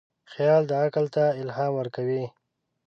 خیال عقل ته الهام ورکوي.